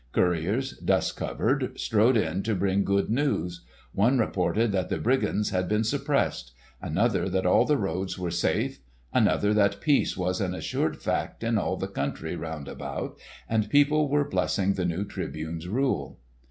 Couriers, dust covered, strode in to bring good news; one reported that the brigands had been suppressed; another, that all the roads were safe; another, that peace was an assured fact in all the country round about, and people were blessing the new Tribune's rule.